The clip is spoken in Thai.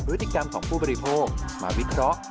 พฤติกรรมของผู้บริโภคมาวิเคราะห์